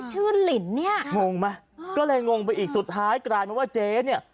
ลินเนี่ยงงไหมก็เลยงงไปอีกสุดท้ายกลายมาว่าเจ๊เนี่ย